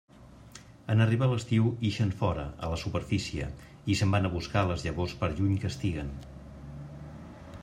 En arribar l'estiu ixen fora, a la superfície, i se'n van a buscar les llavors per lluny que estiguen.